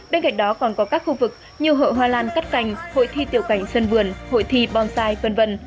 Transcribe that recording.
bên cạnh đó còn có các khu vực như hội hoa lan cắt cành hội thi tiểu cảnh sân vườn hội thi bonsai v v